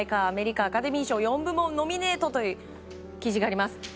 アメリカ、アカデミー賞４部門ノミネートという記事があります。